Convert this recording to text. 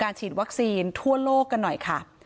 ฉีดวัคซีนทั่วโลกกันหน่อยค่ะ